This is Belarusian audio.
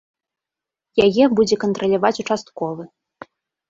Яе будзе кантраляваць участковы.